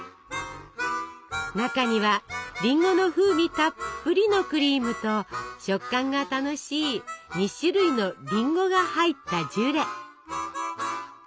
中にはりんごの風味たっぷりのクリームと食感が楽しい２種類のりんごが入ったジュレ。